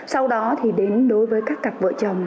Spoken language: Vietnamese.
sau đó thì đến đối với các cặp vợ chồng